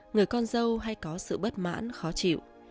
người con dâu hay có sự bất mãn khó chịu